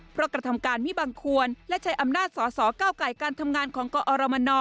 เพราะกระทำการมิบังควรและใช้อำนาจสอสอก้าวไก่การทำงานของกอรมน